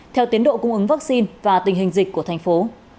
theo tiến độ cung ứng vaccine và tình hình dịch của thành phố